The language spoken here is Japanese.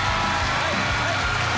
はいはい。